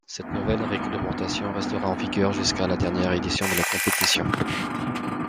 Cette nouvelle réglementation restera en vigueur jusqu'à la dernière édition de la compétition.